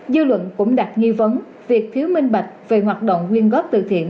dư luận cũng đặt nghi vấn việc thiếu minh bạch về hoạt động quyên góp từ thiện